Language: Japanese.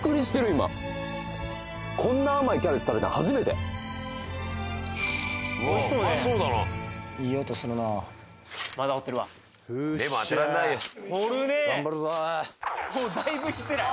今こんな甘いキャベツ食べたん初めておいしそうねうまそうだないい音するなまだ掘ってるわよっしゃ頑張るぞもうだいぶいってない？